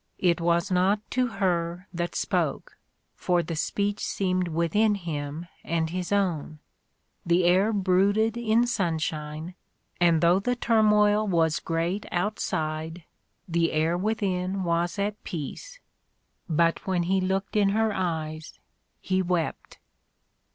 It was not to her that spoke, for the speech seemed within him and his own. The air brooded in sunshine, and though the turmoil was great outside, the air within was at peace. But when he looked in her eyes, he wept.